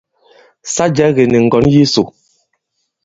Sa jɛ̄ kì nì ŋgǒŋ ìsò.